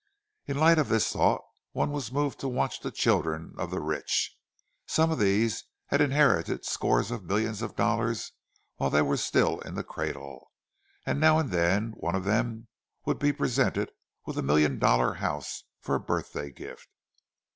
In the light of this thought one was moved to watch the children of the rich. Some of these had inherited scores of millions of dollars while they were still in the cradle; now and then one of them would be presented with a million dollar house for a birthday gift.